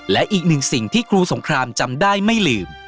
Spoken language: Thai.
และอีกหนึ่งสิ่งที่ครูสงครามจำได้ไม่ลืม